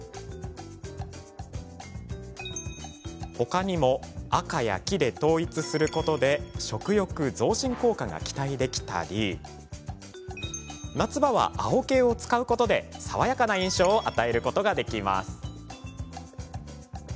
他にも赤や黄で統一することで食欲増進効果が期待できたり夏場は青系を使うことで爽やかな印象を与えることができます。